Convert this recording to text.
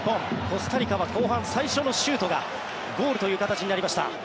コスタリカは後半、最初のシュートがゴールという形になりました。